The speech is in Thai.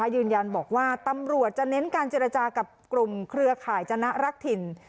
ยืนยันบอกว่าตำรวจจะเน้นการเจรจากับกลุ่มเครือข่ายจนะรักถิ่น